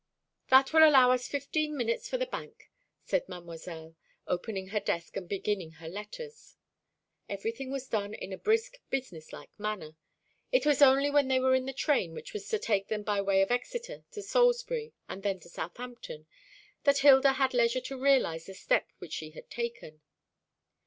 "That will allow us fifteen minutes for the Bank," said Mademoiselle, opening her desk, and beginning her letters. Everything was done in a brisk business like manner. It was only when they were in the train which was to take them by way of Exeter to Salisbury, and then to Southampton, that Hilda had leisure to realise the step which she had taken.